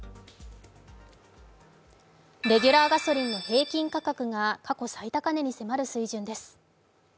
レギュラーガソリンの平均価格が過去最高値に迫る水準です。